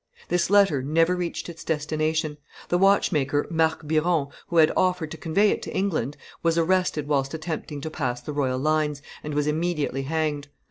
This letter never reached its destination; the watchmaker, Marc Biron; who had offered to convey it to England, was arrested whilst attempting to pass the royal lines, and was immediately hanged.